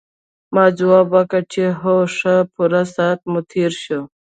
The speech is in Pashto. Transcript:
ما ځواب ورکړ چې هو ښه پوره ساعت مو تېر شو.